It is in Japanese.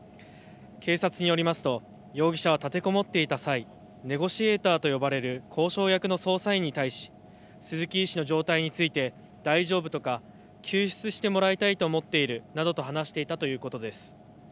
警察によりますと容疑者は立てこもっていた際、ネゴシエーターと呼ばれる交渉役の捜査員に対し鈴木医師の状態について大丈夫とか救出してもらいたいと思っているなどと話していたということです。